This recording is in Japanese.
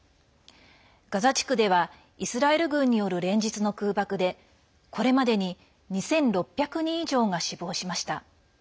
ガザ地区ではイスラエル軍による連日の空爆でこれまでに２６００人以上が死亡しました。